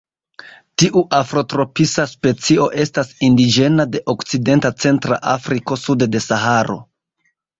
Tiu afrotropisa specio estas indiĝena de Okcidenta Centra Afriko sude de Saharo.